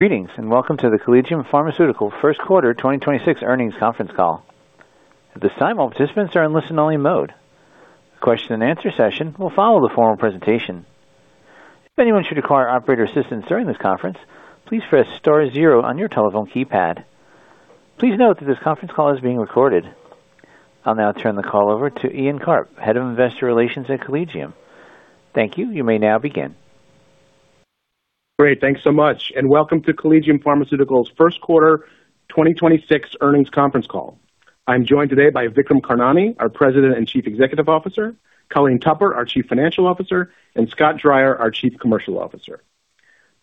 Greetings, and welcome to the Collegium Pharmaceutical First Quarter 2026 earnings conference call. I'll now turn the call over to Ian Karp, Head of Investor Relations at Collegium. Thank you. You may now begin. Great. Thanks so much. Welcome to Collegium Pharmaceutical's First Quarter 2026 earnings conference call. I'm joined today by Vikram Karnani, our President and Chief Executive Officer; Colleen Tupper, our Chief Financial Officer; and Scott Dreyer, our Chief Commercial Officer.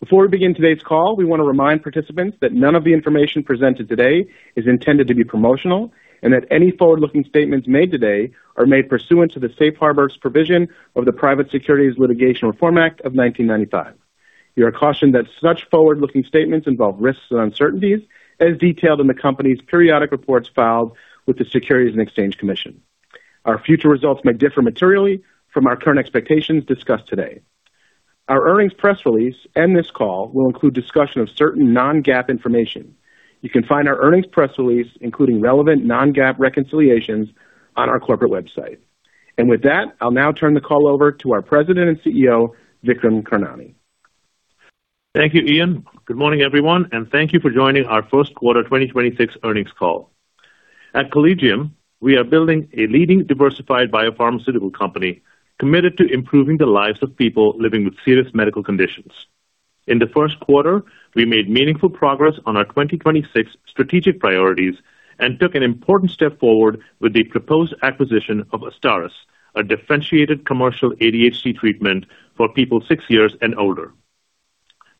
Before we begin today's call, we wanna remind participants that none of the information presented today is intended to be promotional and that any forward-looking statements made today are made pursuant to the safe harbors provision of the Private Securities Litigation Reform Act of 1995. You are cautioned that such forward-looking statements involve risks and uncertainties as detailed in the company's periodic reports filed with the Securities and Exchange Commission. Our future results may differ materially from our current expectations discussed today. Our earnings press release and this call will include discussion of certain non-GAAP information. You can find our earnings press release, including relevant non-GAAP reconciliations, on our corporate website. With that, I'll now turn the call over to our President and CEO, Vikram Karnani. Thank you, Ian. Good morning, everyone, and thank you for joining our first quarter 2026 earnings call. At Collegium, we are building a leading diversified biopharmaceutical company committed to improving the lives of people living with serious medical conditions. In the first quarter, we made meaningful progress on our 2026 strategic priorities and took an important step forward with the proposed acquisition of AZSTARYS, a differentiated commercial ADHD treatment for people six years and older.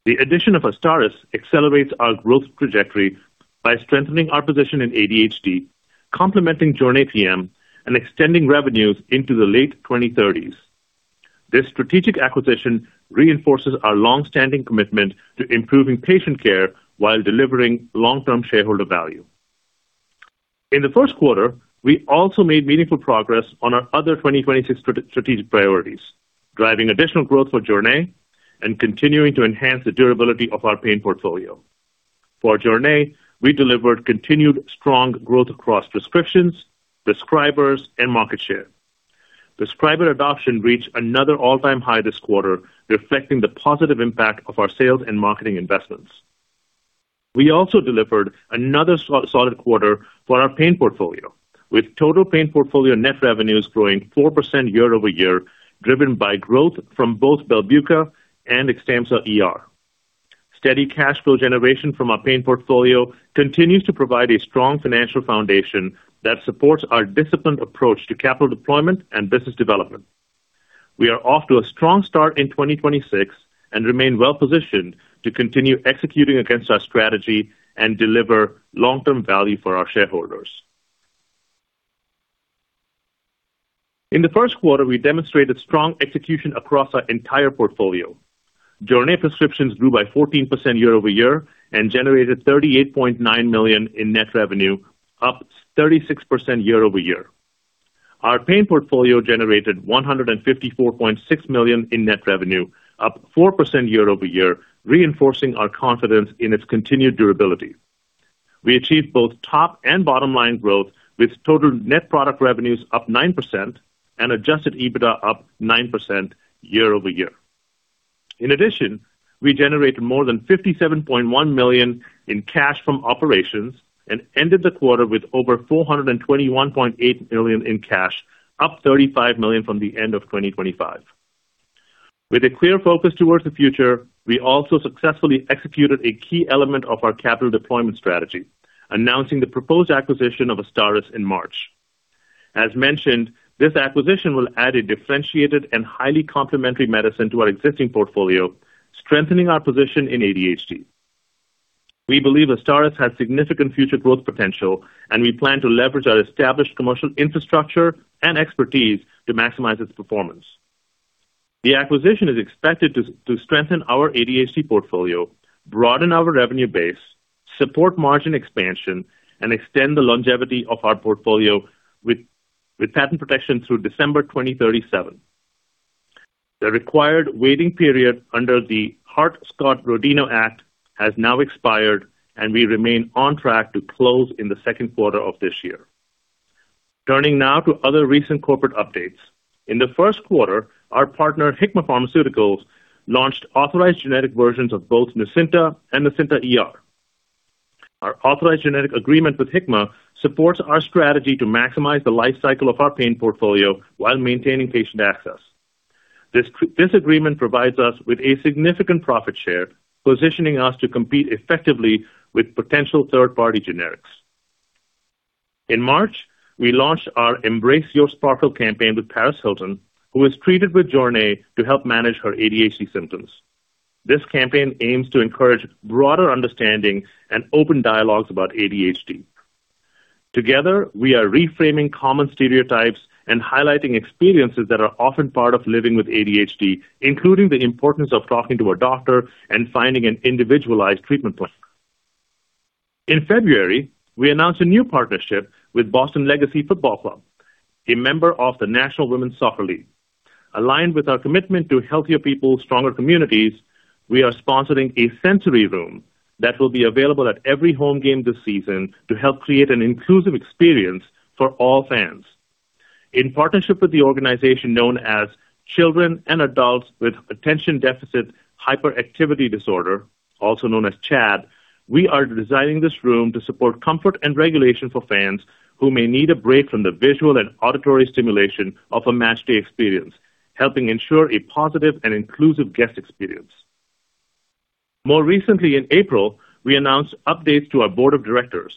The addition of AZSTARYS accelerates our growth trajectory by strengthening our position in ADHD, complementing JORNAY PM, and extending revenues into the late 2030s. This strategic acquisition reinforces our longstanding commitment to improving patient care while delivering long-term shareholder value. In the first quarter, we also made meaningful progress on our other 2026 strategic priorities, driving additional growth for JORNAY and continuing to enhance the durability of our pain portfolio. For Jornay, we delivered continued strong growth across prescriptions, prescribers, and market share. Prescriber adoption reached another all-time high this quarter, reflecting the positive impact of our sales and marketing investments. We also delivered another so-solid quarter for our pain portfolio, with total pain portfolio net revenues growing 4% year-over-year, driven by growth from both BELBUCA and XTAMPZA ER. Steady cash flow generation from our pain portfolio continues to provide a strong financial foundation that supports our disciplined approach to capital deployment and business development. We are off to a strong start in 2026 and remain well-positioned to continue executing against our strategy and deliver long-term value for our shareholders. In the first quarter, we demonstrated strong execution across our entire portfolio. Jornay prescriptions grew by 14% year-over-year and generated $38.9 million in net revenue, up 36% year-over-year. Our pain portfolio generated $154.6 million in net revenue, up 4% year-over-year, reinforcing our confidence in its continued durability. We achieved both top and bottom line growth, with total net product revenues up 9% and adjusted EBITDA up 9% year-over-year. In addition, we generated more than $57.1 million in cash from operations and ended the quarter with over $421.8 million in cash, up $35 million from the end of 2025. With a clear focus towards the future, we also successfully executed a key element of our capital deployment strategy, announcing the proposed acquisition of AZSTARYS in March. As mentioned, this acquisition will add a differentiated and highly complementary medicine to our existing portfolio, strengthening our position in ADHD. We believe AZSTARYS has significant future growth potential, and we plan to leverage our established commercial infrastructure and expertise to maximize its performance. The acquisition is expected to strengthen our ADHD portfolio, broaden our revenue base, support margin expansion, and extend the longevity of our portfolio with patent protection through December 2037. The required waiting period under the Hart-Scott-Rodino Act has now expired, and we remain on track to close in the second quarter of this year. Turning now to other recent corporate updates. In the first quarter, our partner, Hikma Pharmaceuticals, launched authorized generic versions of both NUCYNTA and NUCYNTA ER. Our authorized generic agreement with Hikma supports our strategy to maximize the life cycle of our pain portfolio while maintaining patient access. This agreement provides us with a significant profit share, positioning us to compete effectively with potential third-party generics. In March, we launched our Embrace Your Sparkle campaign with Paris Hilton, who was treated with Jornay to help manage her ADHD symptoms. This campaign aims to encourage broader understanding and open dialogues about ADHD. Together, we are reframing common stereotypes and highlighting experiences that are often part of living with ADHD, including the importance of talking to a doctor and finding an individualized treatment plan. In February, we announced a new partnership with Boston Legacy FC, a member of the National Women's Soccer League. Aligned with our commitment to healthier people, stronger communities, we are sponsoring a sensory room that will be available at every home game this season to help create an inclusive experience for all fans. In partnership with the organization known as Children and Adults with Attention-Deficit/Hyperactivity Disorder, also known as CHADD, we are designing this room to support comfort and regulation for fans who may need a break from the visual and auditory stimulation of a match day experience, helping ensure a positive and inclusive guest experience. More recently, in April, we announced updates to our board of directors.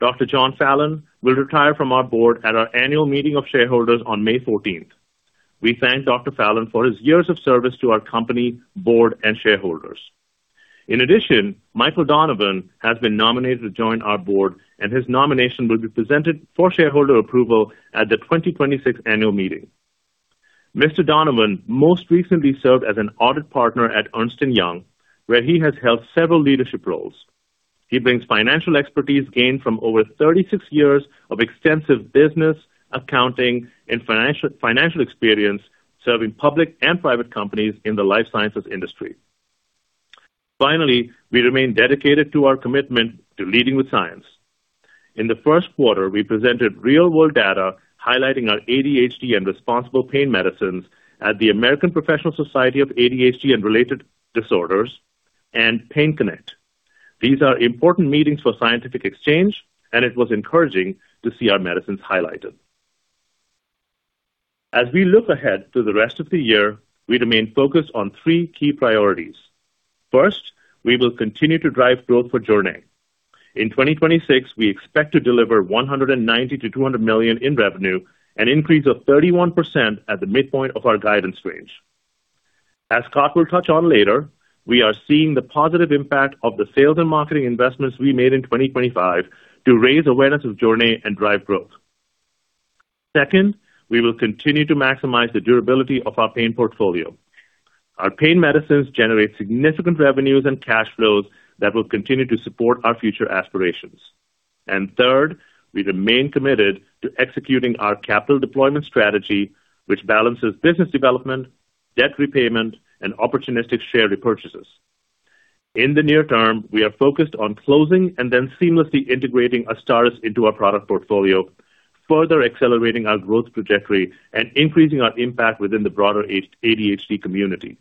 Dr. John Fallon will retire from our board at our annual meeting of shareholders on May 14th. We thank Dr. Fallon for his years of service to our company, board, and shareholders. In addition, Michael Donovan has been nominated to join our board, and his nomination will be presented for shareholder approval at the 2026 annual meeting. Mr. Donovan most recently served as an audit partner at Ernst & Young, where he has held several leadership roles. He brings financial expertise gained from over 36 years of extensive business, accounting, and financial experience serving public and private companies in the life sciences industry. Finally, we remain dedicated to our commitment to leading with science. In the first quarter, we presented real-world data highlighting our ADHD and responsible pain medicines at the American Professional Society of ADHD and Related Disorders and PainConnect. These are important meetings for scientific exchange, and it was encouraging to see our medicines highlighted. As we look ahead to the rest of the year, we remain focused on three key priorities. First, we will continue to drive growth for Jornay. In 2026, we expect to deliver $190-$200 million in revenue, an increase of 31% at the midpoint of our guidance range. As Scott Dreyer will touch on later, we are seeing the positive impact of the sales and marketing investments we made in 2025 to raise awareness of Jornay and drive growth. Second, we will continue to maximize the durability of our pain portfolio. Our pain medicines generate significant revenues and cash flows that will continue to support our future aspirations. Third, we remain committed to executing our capital deployment strategy, which balances business development, debt repayment, and opportunistic share repurchases. In the near term, we are focused on closing and then seamlessly integrating AZSTARYS into our product portfolio, further accelerating our growth trajectory and increasing our impact within the broader ADHD community.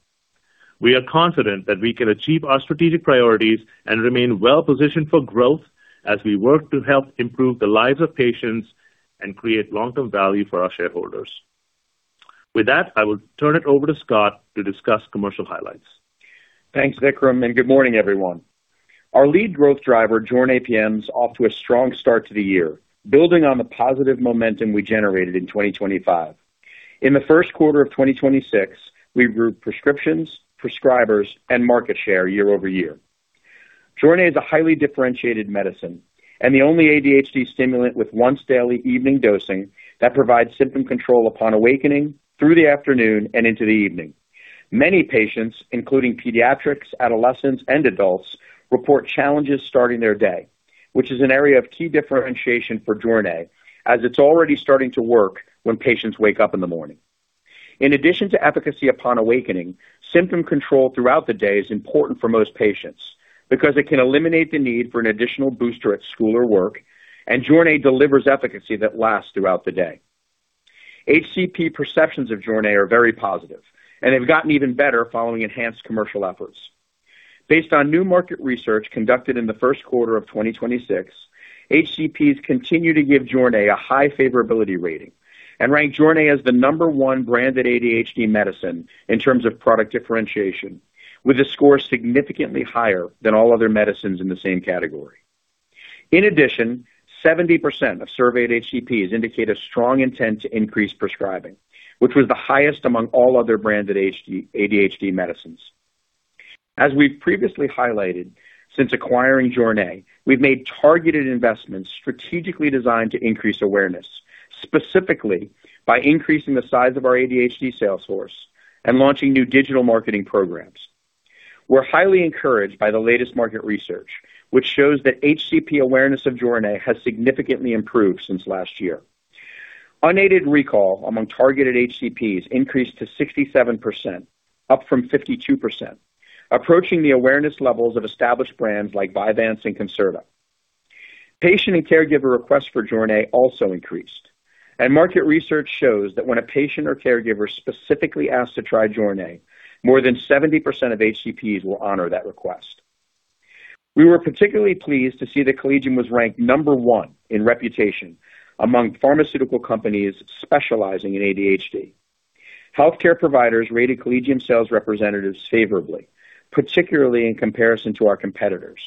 We are confident that we can achieve our strategic priorities and remain well-positioned for growth as we work to help improve the lives of patients and create long-term value for our shareholders. With that, I will turn it over to Scott to discuss commercial highlights. Thanks, Vikram, and good morning, everyone. Our lead growth driver, Jornay PM, is off to a strong start to the year, building on the positive momentum we generated in 2025. In the first quarter of 2026, we grew prescriptions, prescribers, and market share year-over-year. Jornay is a highly differentiated medicine and the only ADHD stimulant with once-daily evening dosing that provides symptom control upon awakening, through the afternoon, and into the evening. Many patients, including pediatrics, adolescents, and adults, report challenges starting their day, which is an area of key differentiation for Jornay, as it's already starting to work when patients wake up in the morning. In addition to efficacy upon awakening, symptom control throughout the day is important for most patients because it can eliminate the need for an additional booster at school or work, and Jornay delivers efficacy that lasts throughout the day. HCP perceptions of Jornay are very positive and have gotten even better following enhanced commercial efforts. Based on new market research conducted in the first quarter of 2026, HCPs continue to give Jornay a high favorability rating and rank Jornay as the number one branded ADHD medicine in terms of product differentiation, with a score significantly higher than all other medicines in the same category. In addition, 70% of surveyed HCPs indicate a strong intent to increase prescribing, which was the highest among all other branded ADHD medicines. As we've previously highlighted, since acquiring Jornay, we've made targeted investments strategically designed to increase awareness, specifically by increasing the size of our ADHD sales force and launching new digital marketing programs. We're highly encouraged by the latest market research, which shows that HCP awareness of Jornay has significantly improved since last year. Unaided recall among targeted HCPs increased to 67%, up from 52%, approaching the awareness levels of established brands like Vyvanse and CONCERTA. Patient and caregiver requests for Jornay also increased, and market research shows that when a patient or caregiver specifically asks to try Jornay, more than 70% of HCPs will honor that request. We were particularly pleased to see that Collegium was ranked number 1 in reputation among pharmaceutical companies specializing in ADHD. Healthcare providers rated Collegium sales representatives favorably, particularly in comparison to our competitors,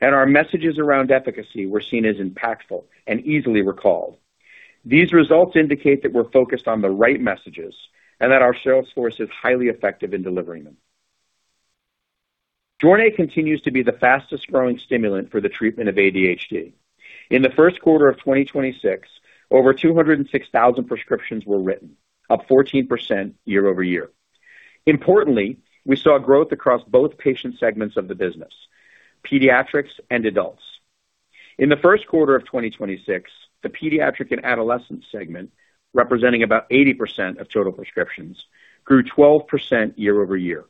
and our messages around efficacy were seen as impactful and easily recalled. These results indicate that we're focused on the right messages and that our sales force is highly effective in delivering them. Jornay continues to be the fastest-growing stimulant for the treatment of ADHD. In the first quarter of 2026, over 206,000 prescriptions were written, up 14% year-over-year. Importantly, we saw growth across both patient segments of the business, pediatrics and adults. In the first quarter of 2026, the pediatric and adolescent segment, representing about 80% of total prescriptions, grew 12% year-over-year.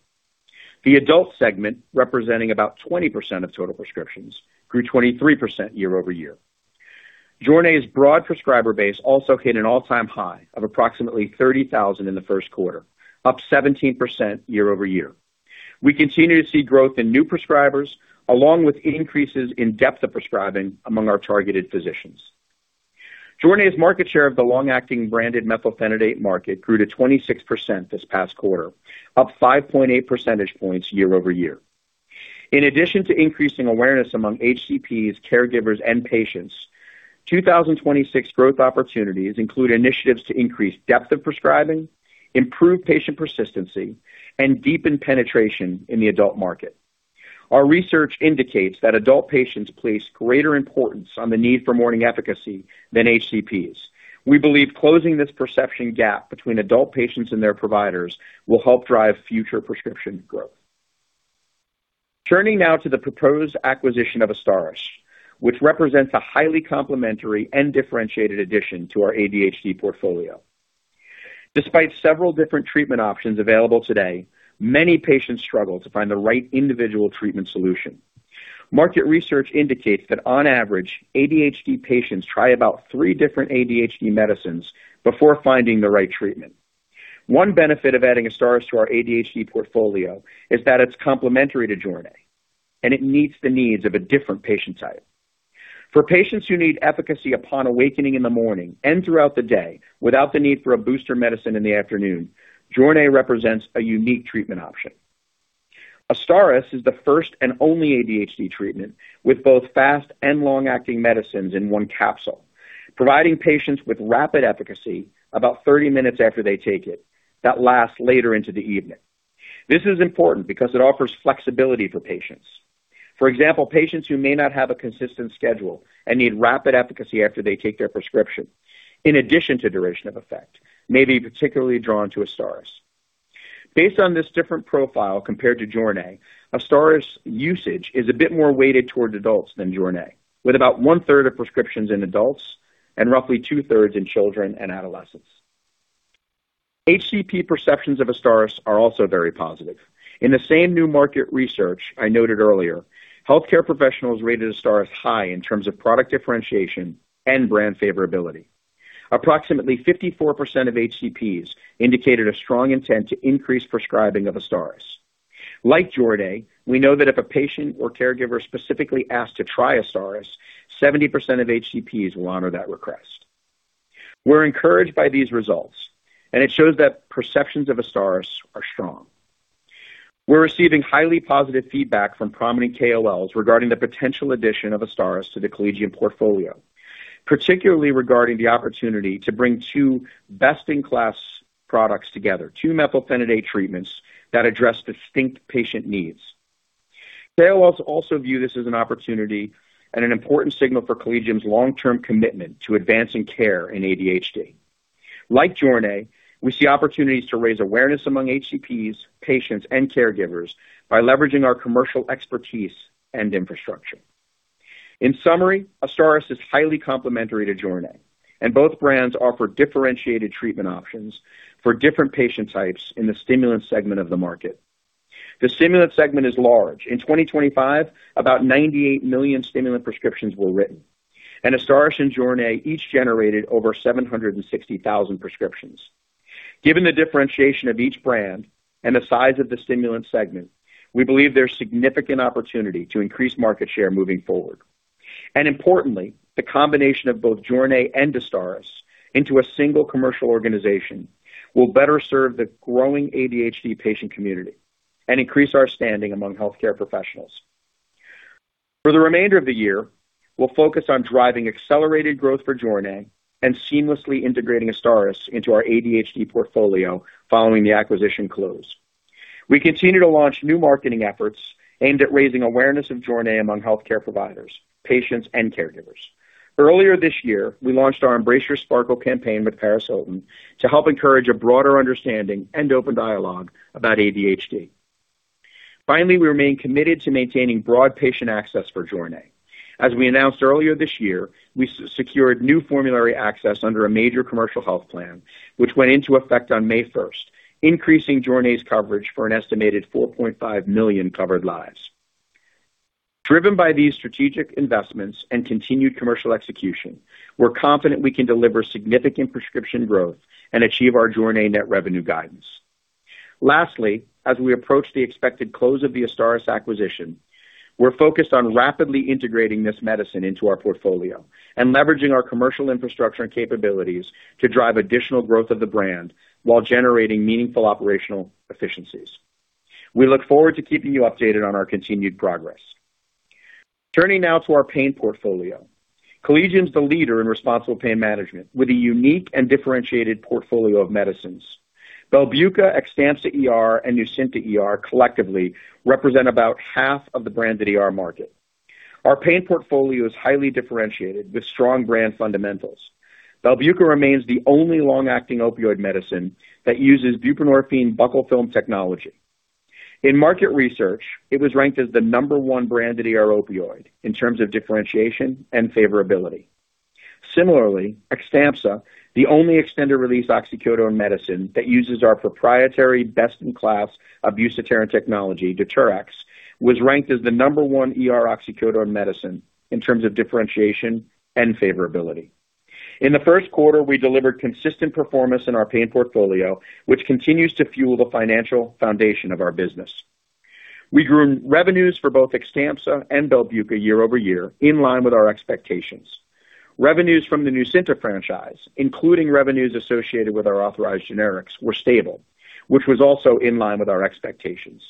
The adult segment, representing about 20% of total prescriptions, grew 23% year-over-year. JORNAY's broad prescriber base also hit an all-time high of approximately 30,000 in the first quarter, up 17% year-over-year. We continue to see growth in new prescribers along with increases in depth of prescribing among our targeted physicians. Jornay's market share of the long-acting branded methylphenidate market grew to 26% this past quarter, up 5.8% points year-over-year. In addition to increasing awareness among HCPs, caregivers, and patients, 2026 growth opportunities include initiatives to increase depth of prescribing, improve patient persistency, and deepen penetration in the adult market. Our research indicates that adult patients place greater importance on the need for morning efficacy than HCPs. We believe closing this perception gap between adult patients and their providers will help drive future prescription growth. Turning now to the proposed acquisition of AZSTARYS, which represents a highly complementary and differentiated addition to our ADHD portfolio. Despite several different treatment options available today, many patients struggle to find the right individual treatment solution. Market research indicates that on average, ADHD patients try about three different ADHD medicines before finding the right treatment. One benefit of adding AZSTARYS to our ADHD portfolio is that it's complementary to Jornay, and it meets the needs of a different patient type. For patients who need efficacy upon awakening in the morning and throughout the day without the need for a booster medicine in the afternoon, Jornay represents a unique treatment option. AZSTARYS is the first and only ADHD treatment with both fast and long-acting medicines in one capsule, providing patients with rapid efficacy about 30 minutes after they take it that lasts later into the evening. This is important because it offers flexibility for patients. For example, patients who may not have a consistent schedule and need rapid efficacy after they take their prescription, in addition to duration of effect, may be particularly drawn to AZSTARYS. Based on this different profile compared to Jornay, AZSTARYS usage is a bit more weighted towards adults than Jornay, with about 1/3 of prescriptions in adults and roughly 2/3 in children and adolescents. HCP perceptions of AZSTARYS are also very positive. In the same new market research I noted earlier, healthcare professionals rated AZSTARYS high in terms of product differentiation and brand favorability. Approximately 54% of HCPs indicated a strong intent to increase prescribing of AZSTARYS. Like Jornay, we know that if a patient or caregiver specifically asks to try AZSTARYS, 70% of HCPs will honor that request. We're encouraged by these results. It shows that perceptions of AZSTARYS are strong. We're receiving highly positive feedback from prominent KOLs regarding the potential addition of AZSTARYS to the Collegium portfolio. Particularly regarding the opportunity to bring two best-in-class products together, two methylphenidate treatments that address distinct patient needs. KOLs also view this as an opportunity and an important signal for Collegium's long-term commitment to advancing care in ADHD. Like Jornay, we see opportunities to raise awareness among HCPs, patients, and caregivers by leveraging our commercial expertise and infrastructure. In summary, AZSTARYS is highly complementary to Jornay, and both brands offer differentiated treatment options for different patient types in the stimulant segment of the market. The stimulant segment is large. In 2025, about 98 million stimulant prescriptions were written, and AZSTARYS and Jornay each generated over 760,000 prescriptions. Given the differentiation of each brand and the size of the stimulant segment, we believe there's significant opportunity to increase market share moving forward. Importantly, the combination of both Jornay and AZSTARYS into a single commercial organization will better serve the growing ADHD patient community and increase our standing among healthcare professionals. For the remainder of the year, we'll focus on driving accelerated growth for Jornay and seamlessly integrating AZSTARYS into our ADHD portfolio following the acquisition close. We continue to launch new marketing efforts aimed at raising awareness of Jornay among healthcare providers, patients, and caregivers. Earlier this year, we launched our Embrace Your Sparkle campaign with Paris Hilton to help encourage a broader understanding and open dialogue about ADHD. We remain committed to maintaining broad patient access for Jornay. As we announced earlier this year, we secured new formulary access under a major commercial health plan, which went into effect on May first, increasing Jornay's coverage for an estimated 4.5 million covered lives. Driven by these strategic investments and continued commercial execution, we're confident we can deliver significant prescription growth and achieve our Jornay net revenue guidance. Lastly, as we approach the expected close of the AZSTARYS acquisition, we're focused on rapidly integrating this medicine into our portfolio and leveraging our commercial infrastructure and capabilities to drive additional growth of the brand while generating meaningful operational efficiencies. We look forward to keeping you updated on our continued progress. Turning now to our pain portfolio. Collegium's the leader in responsible pain management with a unique and differentiated portfolio of medicines. BELBUCA, XTAMPZA ER, and Nucynta ER collectively represent about half of the branded ER market. Our pain portfolio is highly differentiated with strong brand fundamentals. BELBUCA remains the only long-acting opioid medicine that uses buprenorphine buccal film technology. In market research, it was ranked as the number one brand ER opioid in terms of differentiation and favorability. Similarly, XTAMPZA, the only extended-release oxycodone medicine that uses our proprietary best-in-class abuse-deterrent technology, DETERx, was ranked as the number one ER oxycodone medicine in terms of differentiation and favorability. In the first quarter, we delivered consistent performance in our pain portfolio, which continues to fuel the financial foundation of our business. We grew revenues for both XTAMPZA and BELBUCA year-over-year in line with our expectations. Revenues from the Nucynta franchise, including revenues associated with our authorized generics, were stable, which was also in line with our expectations.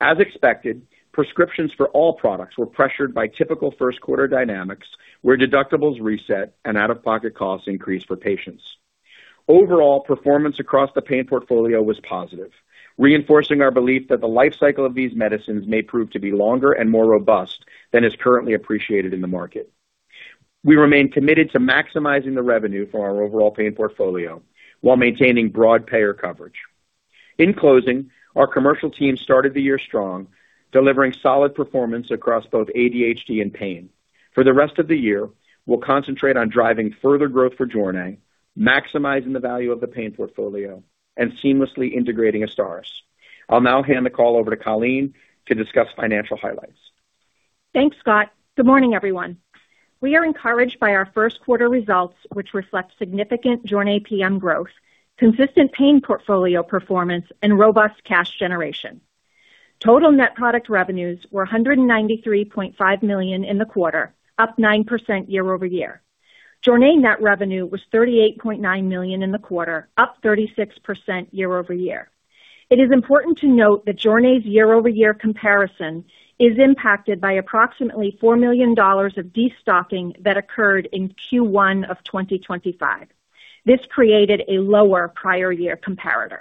As expected, prescriptions for all products were pressured by typical first quarter dynamics, where deductibles reset and out-of-pocket costs increased for patients. Overall, performance across the pain portfolio was positive, reinforcing our belief that the life cycle of these medicines may prove to be longer and more robust than is currently appreciated in the market. We remain committed to maximizing the revenue for our overall pain portfolio while maintaining broad payer coverage. In closing, our commercial team started the year strong, delivering solid performance across both ADHD and pain. For the rest of the year, we'll concentrate on driving further growth for Jornay, maximizing the value of the pain portfolio, and seamlessly integrating AZSTARYS. I'll now hand the call over to Colleen to discuss financial highlights. Thanks, Scott. Good morning, everyone. We are encouraged by our first quarter results, which reflect significant Jornay PM growth, consistent pain portfolio performance, and robust cash generation. Total net product revenues were $193.5 million in the quarter, up 9% year-over-year. Jornay net revenue was $38.9 million in the quarter, up 36% year-over-year. It is important to note that Jornay's year-over-year comparison is impacted by approximately $4 million of destocking that occurred in Q1 of 2025. This created a lower prior year comparator.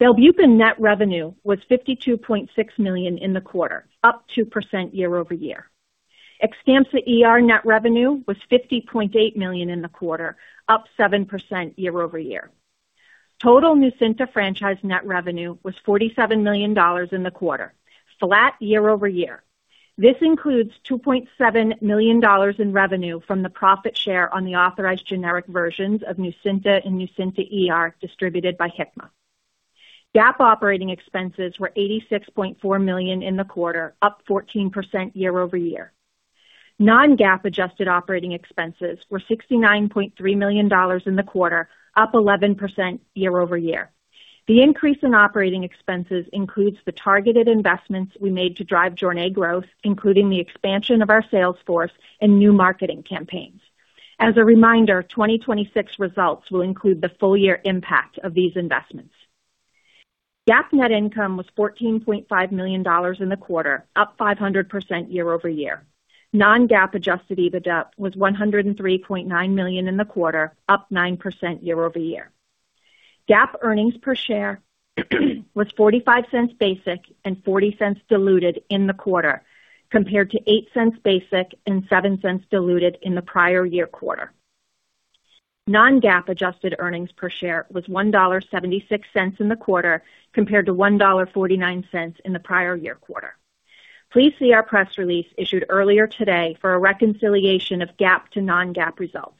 BELBUCA net revenue was $52.6 million in the quarter, up 2% year-over-year. XTAMPZA ER net revenue was $50.8 million in the quarter, up 7% year-over-year. Total Nucynta franchise net revenue was $47 million in the quarter, flat year-over-year. This includes $2.7 million in revenue from the profit share on the authorized generic versions of Nucynta and Nucynta ER distributed by Hikma. GAAP operating expenses were $86.4 million in the quarter, up 14% year-over-year. Non-GAAP adjusted operating expenses were $69.3 million in the quarter, up 11% year-over-year. The increase in operating expenses includes the targeted investments we made to drive Jornay growth, including the expansion of our sales force and new marketing campaigns. As a reminder, 2026 results will include the full year impact of these investments. GAAP net income was $14.5 million in the quarter, up 500% year-over-year. Non-GAAP adjusted EBITDA was $103.9 million in the quarter, up 9% year-over-year. GAAP earnings per share was $0.45 basic and $0.40 diluted in the quarter, compared to $0.08 basic and $0.07 diluted in the prior year quarter. Non-GAAP adjusted earnings per share was $1.76 in the quarter, compared to $1.49 in the prior year quarter. Please see our press release issued earlier today for a reconciliation of GAAP to non-GAAP results.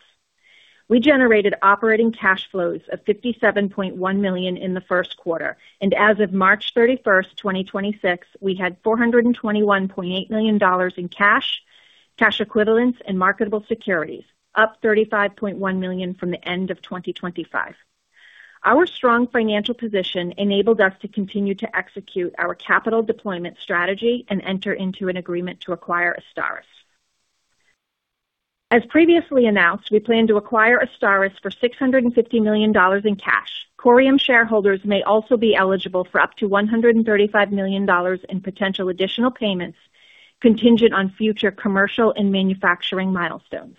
We generated operating cash flows of $57.1 million in the first quarter, and as of March 31st, 2026, we had $421.8 million in cash equivalents, and marketable securities, up $35.1 million from the end of 2025. Our strong financial position enabled us to continue to execute our capital deployment strategy and enter into an agreement to acquire AZSTARYS. As previously announced, we plan to acquire AZSTARYS for $650 million in cash. Corium shareholders may also be eligible for up to $135 million in potential additional payments contingent on future commercial and manufacturing milestones.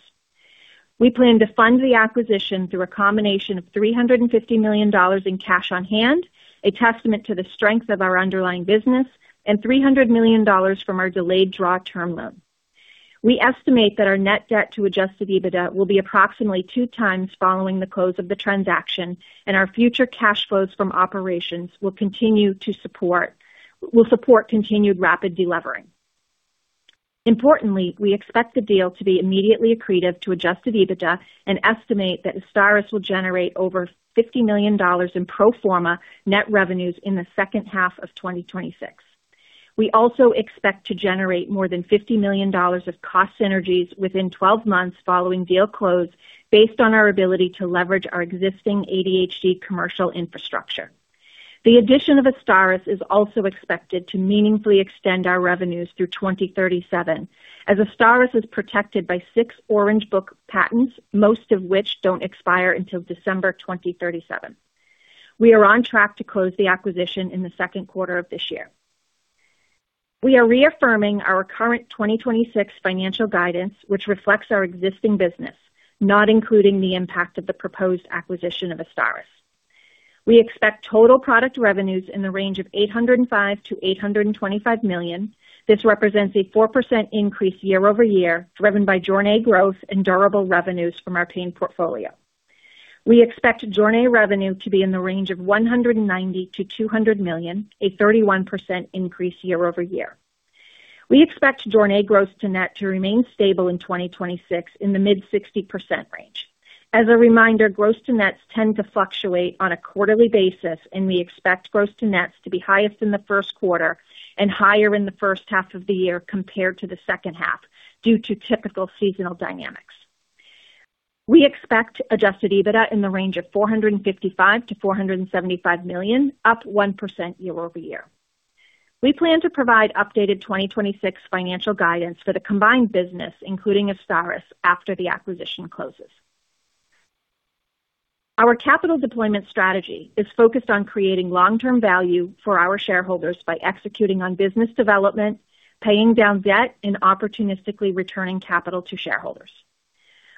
We plan to fund the acquisition through a combination of $350 million in cash on hand, a testament to the strength of our underlying business, and $300 million from our delayed draw term loan. We estimate that our net debt to adjusted EBITDA will be approximately 2x following the close of the transaction, and our future cash flows from operations will support continued rapid delevering. Importantly, we expect the deal to be immediately accretive to adjusted EBITDA and estimate that AZSTARYS will generate over $50 million in pro forma net revenues in the second half of 2026. We also expect to generate more than $50 million of cost synergies within 12 months following deal close based on our ability to leverage our existing ADHD commercial infrastructure. The addition of AZSTARYS is also expected to meaningfully extend our revenues through 2037, as AZSTARYS is protected by six Orange Book patents, most of which don't expire until December 2037. We are on track to close the acquisition in the second quarter of this year. We are reaffirming our current 2026 financial guidance, which reflects our existing business, not including the impact of the proposed acquisition of AZSTARYS. We expect total product revenues in the range of $805 million-$825 million. This represents a 4% increase year-over-year, driven by Jornay growth and durable revenues from our pain portfolio. We expect Jornay revenue to be in the range of $190 million-$200 million, a 31% increase year-over-year. We expect Jornay gross to net to remain stable in 2026 in the mid 60% range. As a reminder, gross to nets tend to fluctuate on a quarterly basis, and we expect gross to nets to be highest in the first quarter and higher in the first half of the year compared to the second half due to typical seasonal dynamics. We expect adjusted EBITDA in the range of $455 million-$475 million, up 1% year-over-year. We plan to provide updated 2026 financial guidance for the combined business, including AZSTARYS, after the acquisition closes. Our capital deployment strategy is focused on creating long-term value for our shareholders by executing on business development, paying down debt, and opportunistically returning capital to shareholders.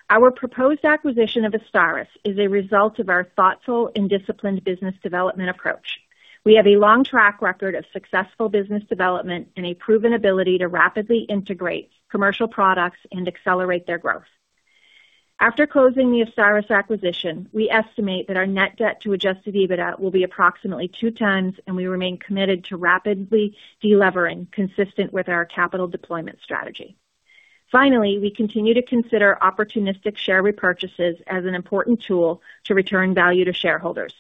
Our proposed acquisition of AZSTARYS is a result of our thoughtful and disciplined business development approach. We have a long track record of successful business development and a proven ability to rapidly integrate commercial products and accelerate their growth. After closing the AZSTARYS acquisition, we estimate that our net debt to adjusted EBITDA will be approximately 2x, and we remain committed to rapidly de-levering consistent with our capital deployment strategy. Finally, we continue to consider opportunistic share repurchases as an important tool to return value to shareholders.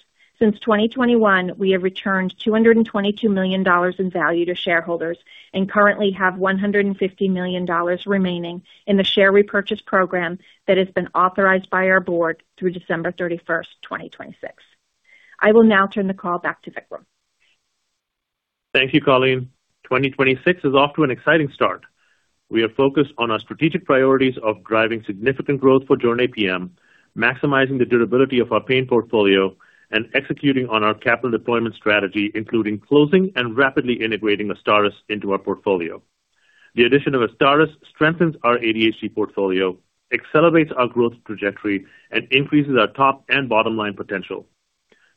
Since 2021, we have returned $222 million in value to shareholders and currently have $150 million remaining in the share repurchase program that has been authorized by our board through December 31st, 2026. I will now turn the call back to Vikram. Thank you, Colleen. 2026 is off to an exciting start. We are focused on our strategic priorities of driving significant growth for Jornay PM, maximizing the durability of our pain portfolio, and executing on our capital deployment strategy, including closing and rapidly integrating AZSTARYS into our portfolio. The addition of AZSTARYS strengthens our ADHD portfolio, accelerates our growth trajectory, and increases our top and bottom-line potential.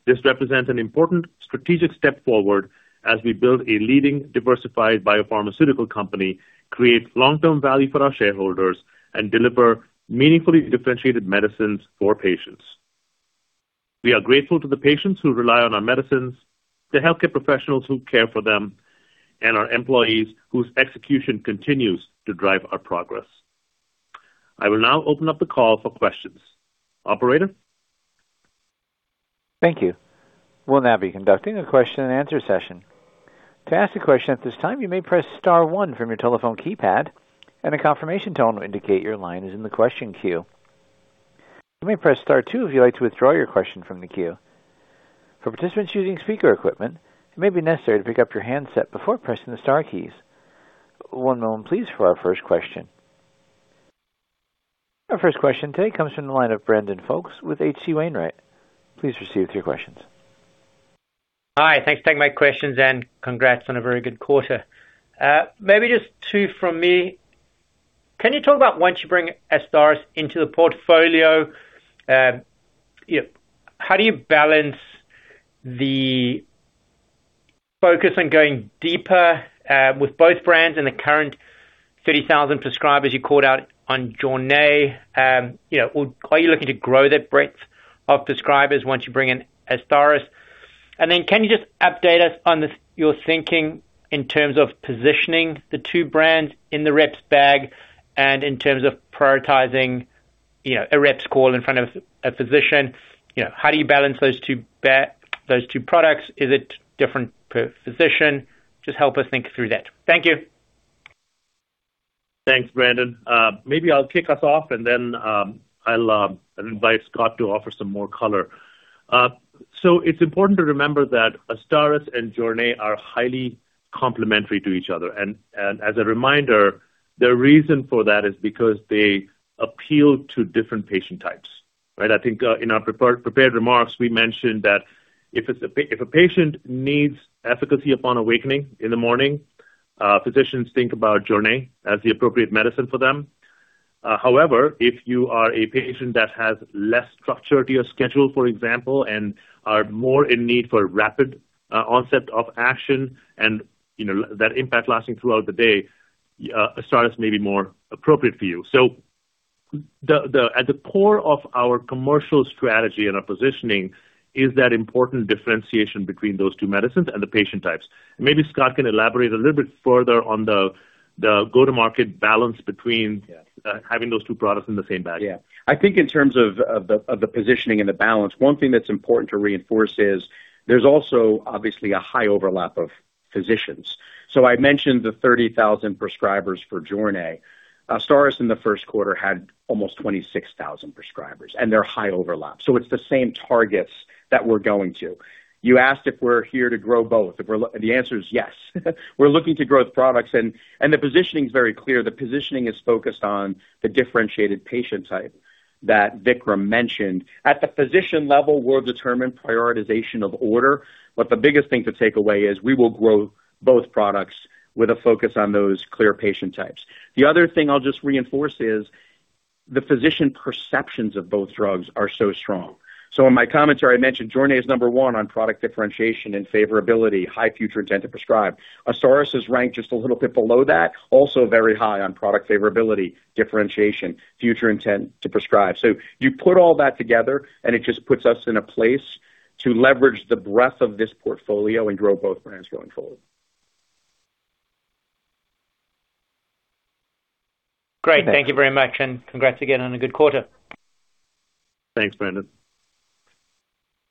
This represents an important strategic step forward as we build a leading diversified biopharmaceutical company, create long-term value for our shareholders, and deliver meaningfully differentiated medicines for patients. We are grateful to the patients who rely on our medicines, the healthcare professionals who care for them, and our employees whose execution continues to drive our progress. I will now open up the call for questions. Operator? Thank you. We'll now be conducting a question-and-answer session. To ask a question at this time, you may press star one from your telephone keypad, and a confirmation tone will indicate your line is in the question queue. You may press star two if you'd like to withdraw your question from the queue. For participants using speaker equipment, it may be necessary to pick up your handset before pressing the star keys. One moment please for our first question. Our first question today comes from the line of Brandon Folkes with H.C. Wainwright. Please proceed with your questions. Hi. Thanks for taking my questions, and congrats on a very good quarter. Maybe just two from me. Can you talk about once you bring AZSTARYS into the portfolio, you know, how do you balance the focus on going deeper with both brands and the current 30,000 prescribers you called out on Jornay? Are you looking to grow the breadth of prescribers once you bring in AZSTARYS? Can you just update us on this, your thinking in terms of positioning the two brands in the rep's bag and in terms of prioritizing, you know, a rep's call in front of a physician? You know, how do you balance those two products? Is it different per physician? Just help us think through that. Thank you. Thanks, Brandon Folkes. Maybe I'll kick us off, and then I'll invite Scott Dreyer to offer some more color. It's important to remember that AZSTARYS and Jornay are highly complementary to each other. As a reminder, the reason for that is because they appeal to different patient types, right? I think in our prepared remarks, we mentioned that if a patient needs efficacy upon awakening in the morning, physicians think about Jornay as the appropriate medicine for them. If you are a patient that has less structure to your schedule, for example, and are more in need for rapid onset of action and, you know, that impact lasting throughout the day, AZSTARYS may be more appropriate for you. At the core of our commercial strategy and our positioning is that important differentiation between those two medicines and the patient types. Maybe Scott can elaborate a little bit further on the go-to-market balance between. Yeah Having those two products in the same bag. I think in terms of the positioning and the balance, one thing that's important to reinforce is there's also obviously a high overlap of physicians. I mentioned the 30,000 prescribers for Jornay. AZSTARYS in the first quarter had almost 26,000 prescribers, and they're high overlap. It's the same targets that we're going to. You asked if we're here to grow both. The answer is yes. We're looking to grow with products, and the positioning is very clear. The positioning is focused on the differentiated patient type that Vikram mentioned. At the physician level, we'll determine prioritization of order, but the biggest thing to take away is we will grow both products with a focus on those clear patient types. The other thing I'll just reinforce is. The physician perceptions of both drugs are so strong. In my commentary, I mentioned Jornay is number one on product differentiation and favorability, high future intent to prescribe. AZSTARYS is ranked just a little bit below that, also very high on product favorability, differentiation, future intent to prescribe. You put all that together, and it just puts us in a place to leverage the breadth of this portfolio and grow both brands going forward. Great. Thank you very much. Congrats again on a good quarter. Thanks, Brandon.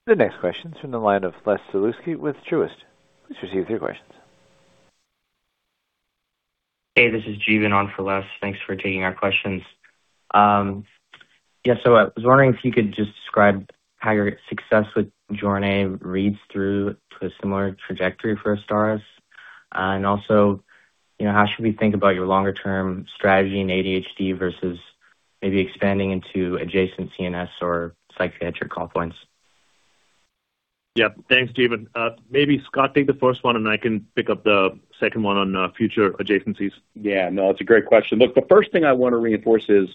The next question is from the line of Les Sulewski with Truist. Hey, this is Jeevan on for Les. Thanks for taking our questions. yeah. I was wondering if you could just describe how your success with Jornay PM reads through to a similar trajectory for AZSTARYS. And also, you know, how should we think about your longer term strategy in ADHD versus maybe expanding into adjacent CNS or psychiatric call points? Yeah. Thanks, Jeevan. Maybe Scott Dreyer, take the first one and I can pick up the second one on future adjacencies. Yeah, no, it's a great question. Look, the first thing I want to reinforce is,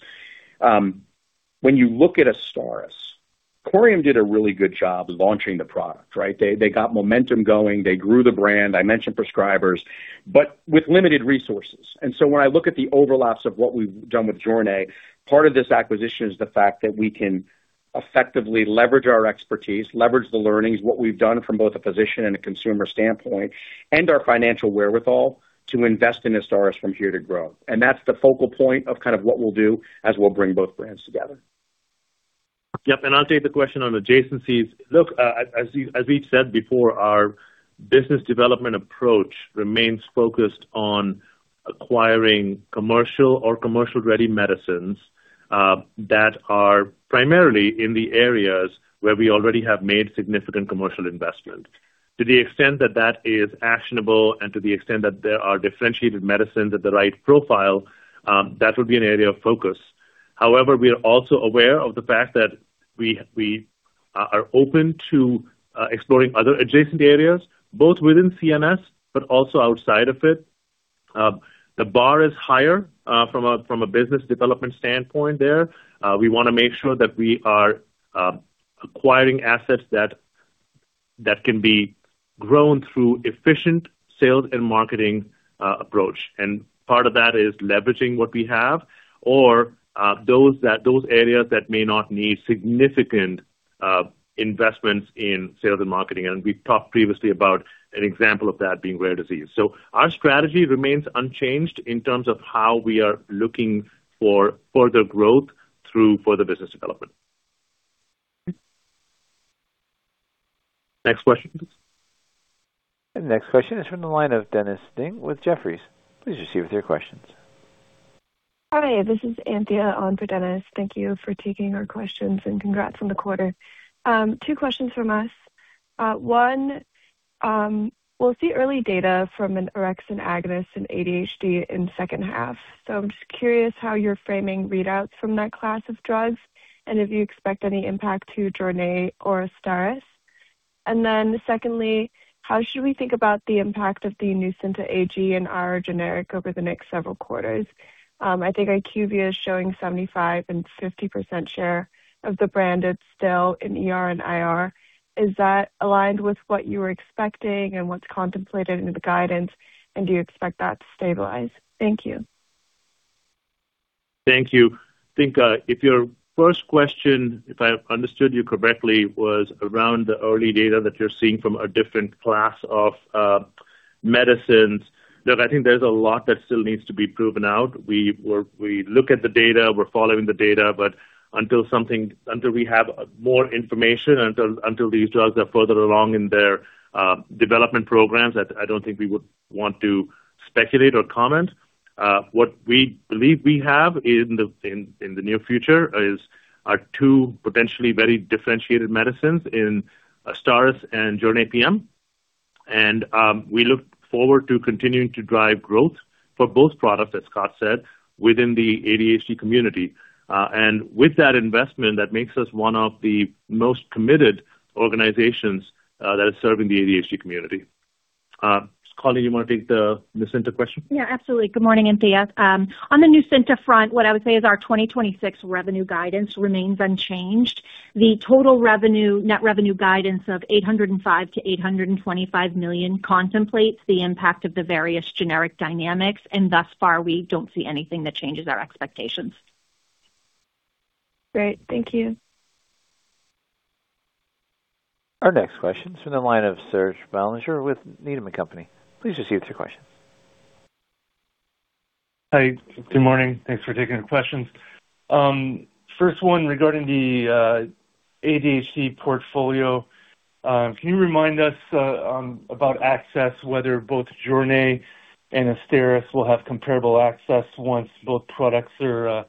when you look at AZSTARYS, Corium did a really good job launching the product, right? They got momentum going. They grew the brand. I mentioned prescribers, but with limited resources. When I look at the overlaps of what we've done with Jornay, part of this acquisition is the fact that we can effectively leverage our expertise, leverage the learnings, what we've done from both a physician and a consumer standpoint, and our financial wherewithal to invest in AZSTARYS from here to grow. That's the focal point of kind of what we'll do as we'll bring both brands together. Yep. I'll take the question on adjacencies. Look, as we've said before, our business development approach remains focused on acquiring commercial or commercial-ready medicines that are primarily in the areas where we already have made significant commercial investment. To the extent that that is actionable and to the extent that there are differentiated medicines at the right profile, that would be an area of focus. However, we are also aware of the fact that we are open to exploring other adjacent areas, both within CNS but also outside of it. The bar is higher from a business development standpoint there. We wanna make sure that we are acquiring assets that can be grown through efficient sales and marketing approach. Part of that is leveraging what we have or those areas that may not need significant investments in sales and marketing. We've talked previously about an example of that being rare disease. Our strategy remains unchanged in terms of how we are looking for further growth through further business development. Next question, please. The next question is from the line of Dennis Ding with Jefferies. Please proceed with your questions. Hi, this is Anthea on for Dennis. Thank you for taking our questions, and congrats on the quarter. Two questions from us. We'll see early data from an orexin agonist in ADHD in second half. I'm just curious how you're framing readouts from that class of drugs and if you expect any impact to Jornay or AZSTARYS. Secondly, how should we think about the impact of the Nucynta AG and IR generic over the next several quarters? I think IQVIA is showing 75% and 50% share of the branded still in ER and IR. Is that aligned with what you were expecting and what's contemplated into the guidance, and do you expect that to stabilize? Thank you. Thank you. I think, if your first question, if I understood you correctly, was around the early data that you're seeing from a different class of medicines, I think there's a lot that still needs to be proven out. We look at the data, we're following the data, but until we have more information, until these drugs are further along in their development programs, I don't think we would want to speculate or comment. What we believe we have in the near future is our two potentially very differentiated medicines in AZSTARYS and Jornay PM. We look forward to continuing to drive growth for both products, as Scott said, within the ADHD community. With that investment, that makes us one of the most committed organizations that is serving the ADHD community. Colleen, you wanna take the Nucynta question? Yeah, absolutely. Good morning, Anthea. On the Nucynta front, what I would say is our 2026 revenue guidance remains unchanged. The total revenue, net revenue guidance of $805 million-$825 million contemplates the impact of the various generic dynamics. Thus far, we don't see anything that changes our expectations. Great. Thank you. Our next question is from the line of Serge Belanger with Needham & Company. Hi. Good morning. Thanks for taking the questions. First one regarding the ADHD portfolio. Can you remind us about access, whether both Jornay and AZSTARYS will have comparable access once both products are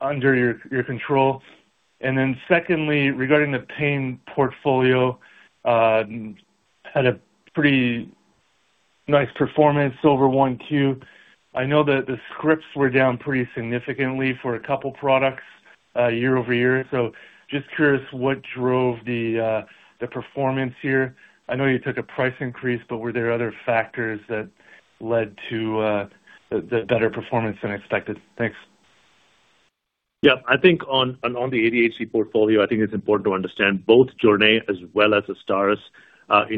under your control? Secondly, regarding the pain portfolio, had a pretty nice performance over 1Q. I know that the scripts were down pretty significantly for a couple products year-over-year, just curious what drove the performance here. I know you took a price increase, but were there other factors that led to the better performance than expected? Thanks. Yeah. I think on the ADHD portfolio, I think it's important to understand both Jornay as well as AZSTARYS are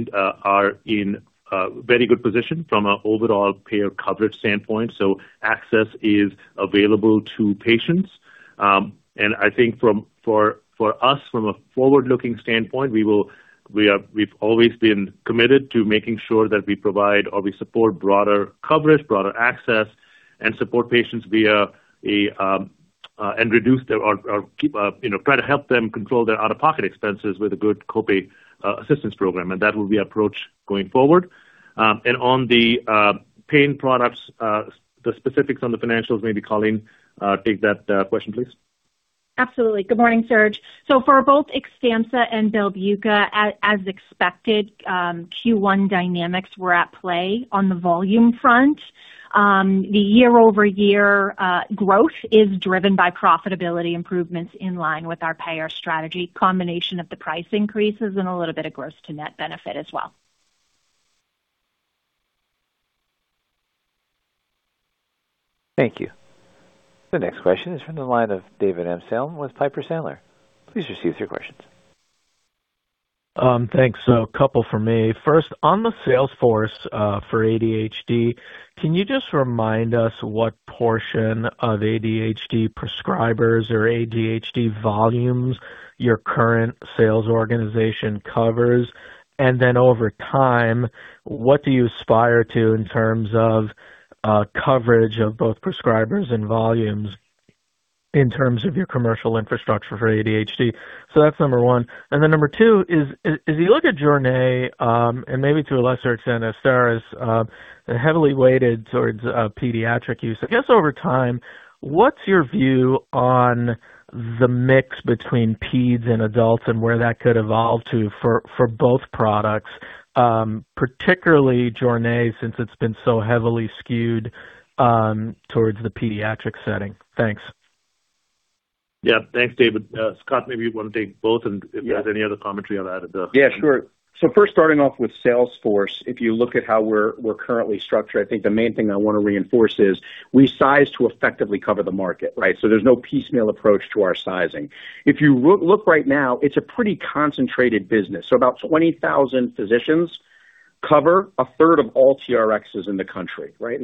in a very good position from an overall payer coverage standpoint, so access is available to patients. I think for us, from a forward-looking standpoint, we've always been committed to making sure that we provide or we support broader coverage, broader access and support patients via a and reduce their or keep, you know, try to help them control their out-of-pocket expenses with a good copay assistance program. That will be approach going forward. On the pain products, the specifics on the financials, maybe Colleen take that question, please. Absolutely. Good morning, Serge. For both Xtampza and Belbuca, as expected, Q1 dynamics were at play on the volume front. The year-over-year growth is driven by profitability improvements in line with our payer strategy, combination of the price increases and a little bit of gross to net benefit as well. Thank you. The next question is from the line of David Amsellem with Piper Sandler. Please receive your questions. Thanks. A couple from me. First, on the sales force for ADHD, can you just remind us what portion of ADHD prescribers or ADHD volumes your current sales organization covers? Then over time, what do you aspire to in terms of coverage of both prescribers and volumes in terms of your commercial infrastructure for ADHD? That's number one. Then number two is, as you look at Jornay, and maybe to a lesser extent AZSTARYS, heavily weighted towards pediatric use. I guess over time, what's your view on the mix between pedes and adults and where that could evolve to for both products, particularly Jornay, since it's been so heavily skewed towards the pediatric setting? Thanks. Yeah. Thanks, David. Scott, maybe you wanna take both and if there's any other commentary on that as well. Yeah, sure. First, starting off with Sales force, if you look at how we're currently structured, I think the main thing I wanna reinforce is we size to effectively cover the market, right? There's no piecemeal approach to our sizing. If you look right now, it's a pretty concentrated business. About 20,000 physicians cover a third of all TRXs in the country, right?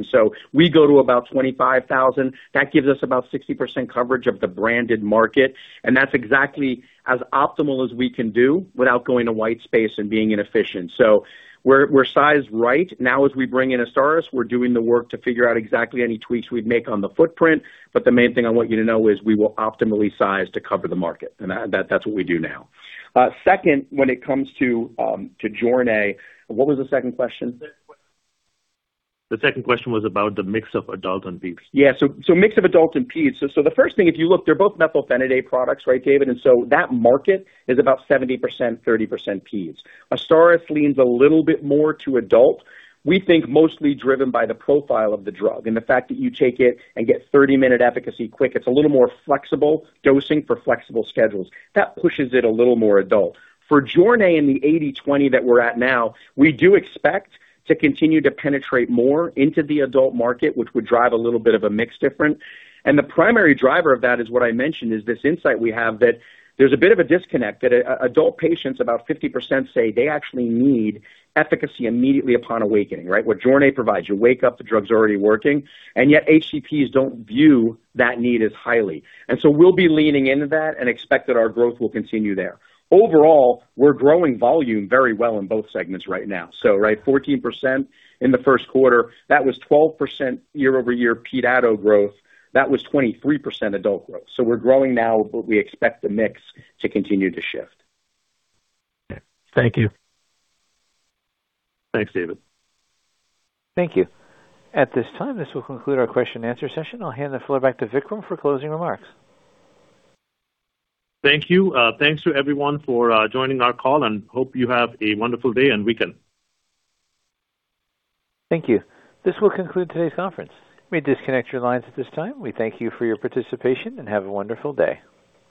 We go to about 25,000. That gives us about 60% coverage of the branded market, and that's exactly as optimal as we can do without going to white space and being inefficient. We're sized right. Now, as we bring in AZSTARYS, we're doing the work to figure out exactly any tweaks we'd make on the footprint. The main thing I want you to know is we will optimally size to cover the market, and that's what we do now. Second, when it comes to Jornay, what was the second question? The second question was about the mix of adult and pedes. Mix of adult and pedes. The first thing, if you look, they're both methylphenidate products, right, David Amsellem? That market is about 70%, 30% pedes. AZSTARYS leans a little bit more to adult. We think mostly driven by the profile of the drug and the fact that you take it and get 30-minute efficacy quick. It's a little more flexible dosing for flexible schedules. That pushes it a little more adult. For Jornay in the 80/20 that we're at now, we do expect to continue to penetrate more into the adult market, which would drive a little bit of a mix difference. The primary driver of that is what I mentioned, is this insight we have that there's a bit of a disconnect, that adult patients, about 50% say they actually need efficacy immediately upon awakening, right? What Jornay provides. You wake up, the drug's already working, and yet HCPs don't view that need as highly. We'll be leaning into that and expect that our growth will continue there. Overall, we're growing volume very well in both segments right now. Right, 14% in the first quarter. That was 12% year-over-year pediatric growth. That was 23% adult growth. We're growing now, but we expect the mix to continue to shift. Thank you. Thanks, David. Thank you. At this time, this will conclude our question and answer session. I'll hand the floor back to Vikram for closing remarks. Thank you. Thanks to everyone for joining our call and hope you have a wonderful day and weekend. Thank you. This will conclude today's conference. You may disconnect your lines at this time. We thank you for your participation and have a wonderful day.